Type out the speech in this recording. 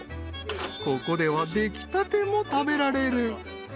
［ここでは出来たても食べられる］